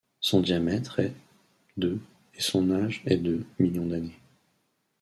Son diamètre est de et son âge est de millions d'années.